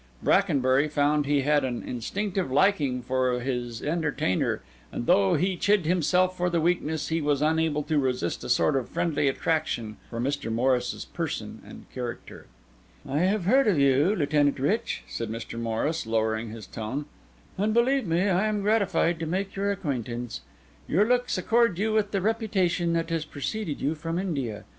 Brackenbury found he had an instinctive liking for his entertainer; and though he chid himself for the weakness, he was unable to resist a sort of friendly attraction for Mr. Morris's person and character. "I have heard of you, Lieutenant Rich," said Mr. Morris, lowering his tone; "and believe me I am gratified to make your acquaintance. Your looks accord with the reputation that has preceded you from India.